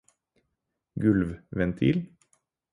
gulvventil